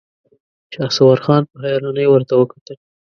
شهسوار خان په حيرانۍ ورته کتل.